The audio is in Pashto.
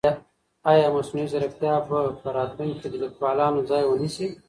آیا مصنوعي ځیرکتیا به په راتلونکي کې د لیکوالانو ځای ونیسي؟